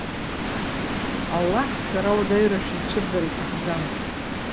Аллаҳ, шәара ауадаҩра шәызцәыргара иҭахӡам.